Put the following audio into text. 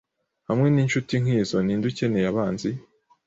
Hamwe ninshuti nkizo, ninde ukeneye abanzi?